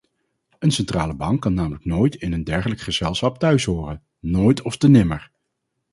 Een centrale bank kan namelijk nooit in een dergelijk gezelschap thuishoren, nooit ofte nimmer!